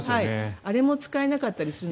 あれも使えなかったりするので。